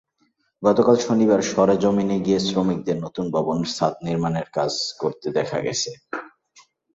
গতকাল শনিবার সরেজমিেন গিয়ে শ্রমিকদের নতুন ভবনের ছাদ নির্মাণের কাজ করতে দেখা গেছে।